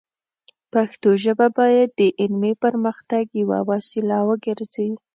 پښتو ژبه باید د علمي پرمختګ یوه وسیله وګرځي.